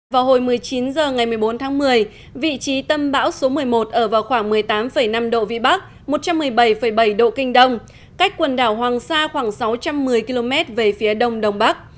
vào hồi một mươi chín h ngày một mươi bốn tháng một mươi vị trí tâm bão số một mươi một ở vào khoảng một mươi tám năm độ vĩ bắc một trăm một mươi bảy bảy độ kinh đông cách quần đảo hoàng sa khoảng sáu trăm một mươi km về phía đông đông bắc